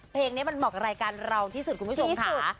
เพลงนี้มันเหมาะกับรายการเราที่สุดคุณผู้ชมค่ะ